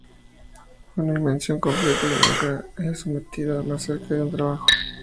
Fue una inmersión completa, y nunca me he sentido más cerca de un trabajo.